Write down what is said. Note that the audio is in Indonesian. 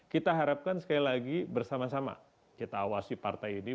kita harapkan sekali lagi bersama sama kita awasi partai ini